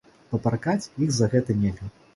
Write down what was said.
Папракаць іх за гэта нельга.